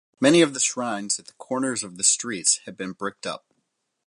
Many of the shrines at the corners of the streets had been bricked up.